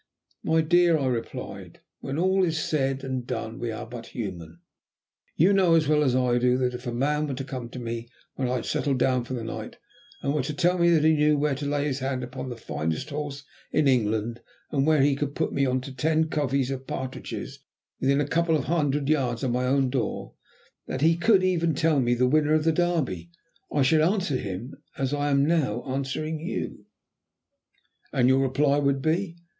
"My dear," I replied, "when all is said and done we are but human. You know as well as I do, that if a man were to come to me when I had settled down for the night, and were to tell me that he knew where to lay his hand upon the finest horse in England, and where he could put me on to ten coveys of partridges within a couple of hundred yards of my own front door, that he could even tell me the winner of the Derby, I should answer him as I am now answering you." "And your reply would be?"